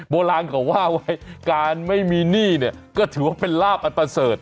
โบราณเขาว่าไว้การไม่มีหนี้เนี่ยก็ถือว่าเป็นลาบอันประเสริฐ